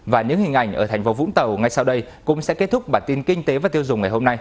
và những hình ảnh ở thành phố vũng tàu đã đưa ra những kinh tế cao